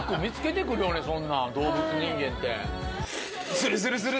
『動物人間』って。